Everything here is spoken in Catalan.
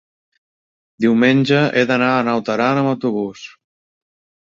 diumenge he d'anar a Naut Aran amb autobús.